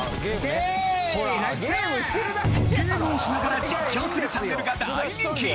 ゲームをしながら実況するチャンネルが大人気！